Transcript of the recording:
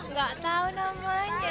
nggak tahu namanya